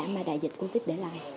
mà đại dịch quốc tế để lại